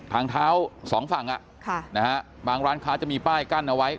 ทางเท้าสองฝั่งบางร้านค้าจะมีป้ายกั้นเอาไว้